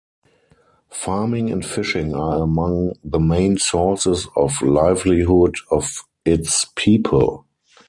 Farming and fishing are among the main sources of livelihood of its people.